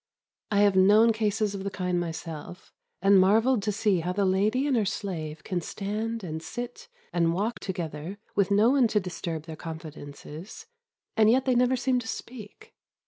I have known cases of the kind myself, and marvelled to see how the lady and her slave can stand, and sit, and walk together, with no one to disturb their confidences, and yet they never seem to speak.